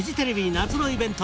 夏のイベント